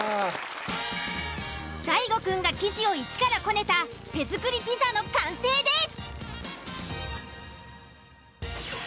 大悟くんが生地をイチからこねた手作りピザの完成です。